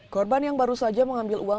korban yang baru saja mengambil uang